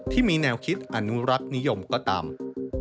ที่มีแนวคิดอนุรักษ์นิยมก็ตาม